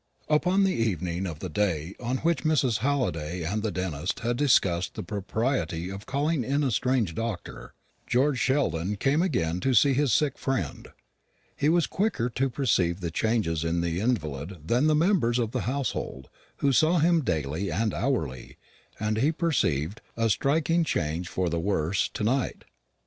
Upon the evening of the day on which Mrs. Halliday and the dentist had discussed the propriety of calling in a strange doctor, George Sheldon came again to see his sick friend. He was quicker to perceive the changes in the invalid than the members of the household, who saw him daily and hourly, and he perceived a striking change for the worse to night.